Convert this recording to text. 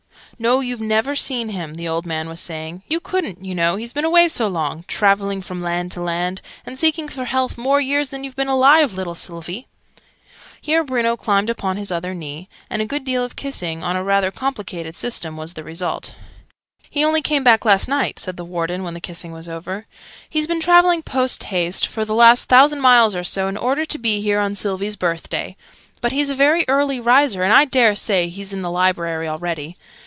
"No, you've never seen him," the old man was saying: "you couldn't, you know, he's been away so long traveling from land to land, and seeking for health, more years than you've been alive, little Sylvie!" Here Bruno climbed upon his other knee, and a good deal of kissing, on a rather complicated system, was the result. "He only came back last night," said the Warden, when the kissing was over: "he's been traveling post haste, for the last thousand miles or so, in order to be here on Sylvie's birthday. But he's a very early riser, and I dare say he's in the Library already.